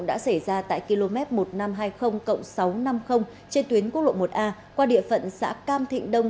đã xảy ra tại km một nghìn năm trăm hai mươi sáu trăm năm mươi trên tuyến quốc lộ một a qua địa phận xã cam thịnh đông